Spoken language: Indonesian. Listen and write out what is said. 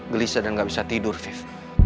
gelisah dan gak bisa tidur five